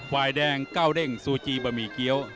ฝ่ายแดงเก้าเด้งซูจีบะหมี่เกี้ยว